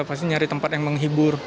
pasti nyari tempat yang menghibur